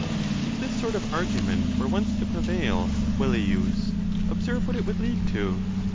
If this sort of argument were once to prevail, Velleius, ob serve what it would lead to.